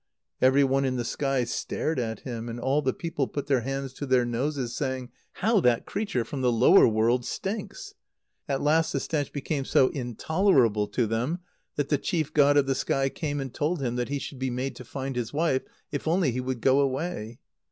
Every one in the sky stared at him, and all the people put their hands to their noses, saying: "How that creature from the lower world stinks!" At last the stench became so intolerable to them that the chief god of the sky came and told him that he should be made to find his wife if only he would go away.